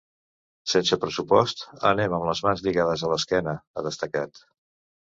Sense pressupost anem amb les mans lligades a l’esquena, ha destacat.